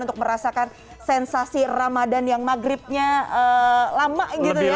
untuk merasakan sensasi ramadan yang maghribnya lama gitu ya